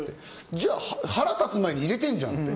じゃあ腹立つ前に入れてんじゃんって。